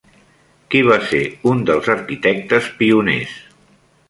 Qui va ser un dels arquitectes pioners?